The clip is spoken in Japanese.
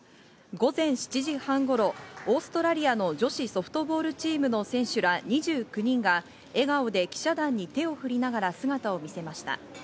午前７時半頃、オーストラリアの女子ソフトボールチームの選手ら２９人が笑顔で記者団に手を振りながら姿を見せました。